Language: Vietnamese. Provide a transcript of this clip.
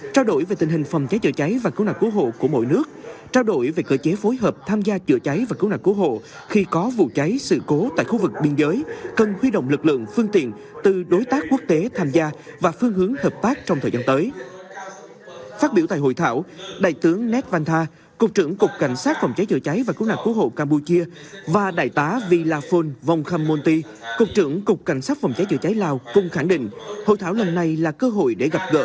tại hội thảo cục cảnh sát phòng cháy chữa cháy và cứu nạn cứu hộ ba nước campuchia lào và việt nam cùng thảo luận ba nhóm vấn đề chính